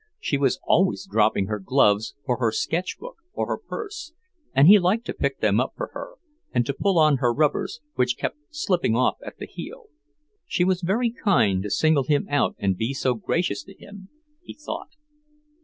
She was always dropping her gloves or her sketchbook or her purse, and he liked to pick them up for her, and to pull on her rubbers, which kept slipping off at the heel. She was very kind to single him out and be so gracious to him, he thought.